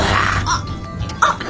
あっあっ！